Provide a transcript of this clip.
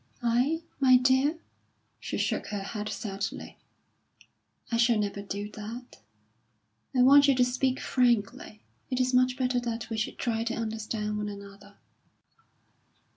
"I, my dear?" she shook her head sadly. "I shall never do that. I want you to speak frankly. It is much better that we should try to understand one another."